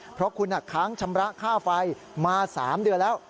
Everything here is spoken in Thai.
เพราะคุณค้างชำระค่าไฟมา๓เดือนแล้ว